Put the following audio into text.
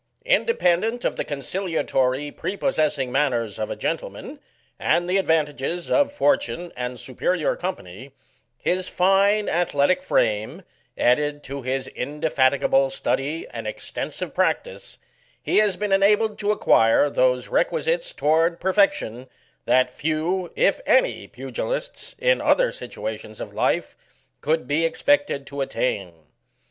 Independent of the conciliatory, prepossessing manners of a gentleman, and the advantages of for tune and superior company, his fine athletic frame, added to his indefatigable study and extensive prac tice, he has been enabled to acquire those requisites toward perfection that few, if any, pugilists, in other situations of life, could be expected to attain.